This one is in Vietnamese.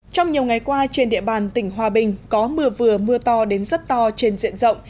trong nhiều ngày qua trên địa bàn tỉnh hòa bình có mưa vừa mưa to đến rất to trên diện rộng